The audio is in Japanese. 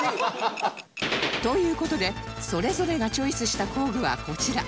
という事でそれぞれがチョイスした工具はこちら